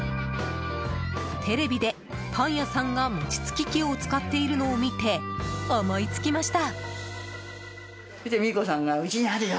テレビでパン屋さんが餅つき器を使っているのを見て思いつきました。